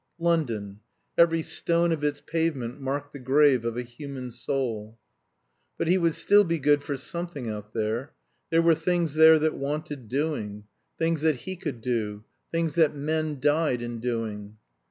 London! Every stone of its pavement marked the grave of a human soul. But he would still be good for something out there. There were things there that wanted doing; things that he could do; things that men died in doing.